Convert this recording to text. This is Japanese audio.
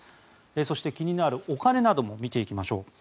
そして気になるお金なども見ていきましょう。